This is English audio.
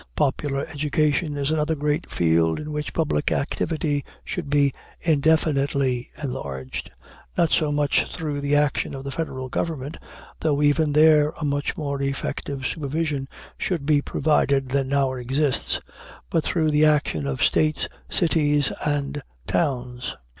Popular education is another great field in which public activity should be indefinitely enlarged, not so much through the action of the Federal government, though even there a much more effective supervision should be provided than now exists, but through the action of States, cities, and towns.